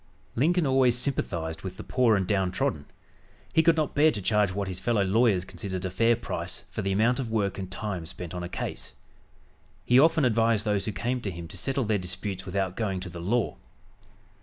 Lincoln always sympathized with the poor and down trodden. He could not bear to charge what his fellow lawyers considered a fair price for the amount of work and time spent on a case. He often advised those who came to him to settle their disputes without going to law.